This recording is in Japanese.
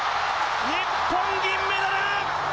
日本、銀メダル！